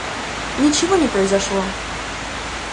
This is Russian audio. Ничего не произошло!